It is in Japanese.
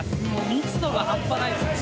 密度が半端ないですね。